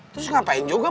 terus ngapain juga